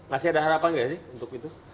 masih ada harapan nggak sih untuk itu